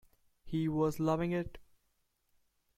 He was loving it!